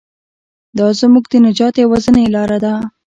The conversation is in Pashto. دا زموږ د نجات یوازینۍ لاره ده.